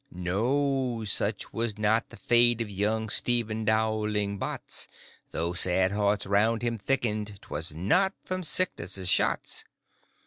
No; such was not the fate of Young Stephen Dowling Bots; Though sad hearts round him thickened, 'Twas not from sickness' shots.